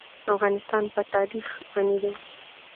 افغانستان په تاریخ غني دی.